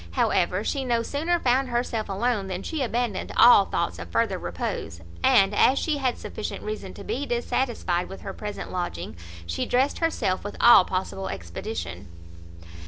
However, she no sooner found herself alone than she abandoned all thoughts of further repose; and, as she had sufficient reason to be dissatisfied with her present lodging, she dressed herself with all possible expedition.